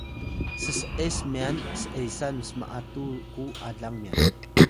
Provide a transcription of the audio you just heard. ss’es myan s’esan sm’atu ku alang myan